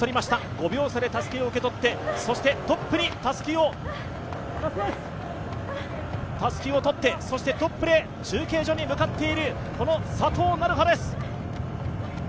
５秒差でたすきを受け取ってそしてトップにたすきをトップで中継所に向かっている佐藤成葉です。